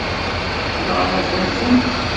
Nɣan-akent-tent.